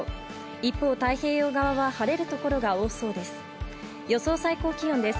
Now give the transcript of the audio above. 一方、太平洋側は晴れる所が多そうです。